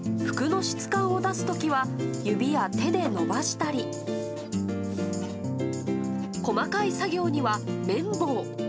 服の質感を出すときは、指や手で伸ばしたり、細かい作業には綿棒。